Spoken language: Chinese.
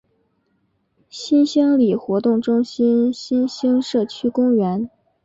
新兴里活动中心新兴社区公园